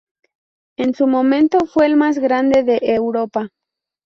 En su momento fue el más grande de Europa.